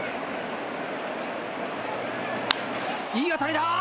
いい当たりだ。